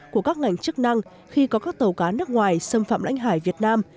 của các ngành chức năng khi có các tàu cá nước ngoài xâm phạm lãnh hải việt nam